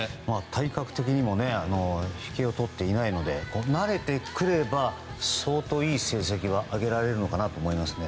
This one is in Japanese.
体格的にもひけをとっていないので慣れてくれば、相当いい成績は上げられるのかなと思いますね。